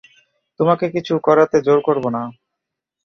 তোমাকে কিছু করাতে জোর করব না।